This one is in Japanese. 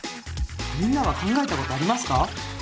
みんなは考えたことありますか？